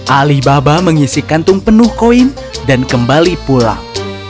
alibaba mengisi kantung penuh koin dan kembali pulang